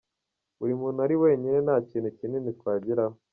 Buri muntu ari wenyine nta kintu kinini twageraho.